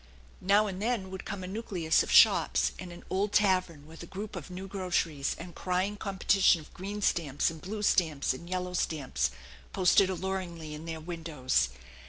Now and then would come a nucleus of shops and an old tavern with a group of new groceries and crying com petition of green stamps and blue stamps and yellow stamps posted alluringly in their windows.